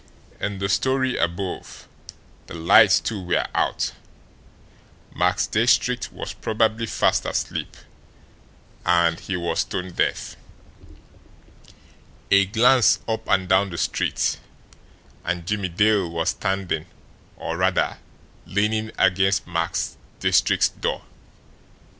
In the story above, the lights, too, were out; Max Diestricht was probably fast asleep and he was stone deaf! A glance up and down the street, and Jimmie Dale was standing, or, rather, leaning against Max Diestricht's door.